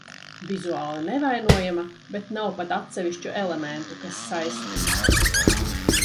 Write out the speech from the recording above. Vizuāli nevainojama, bet nav pat atsevišķu elementu, kas saistītu.